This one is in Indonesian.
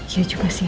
iya juga sih